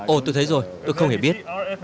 ồ tôi thấy rồi tôi không hề biết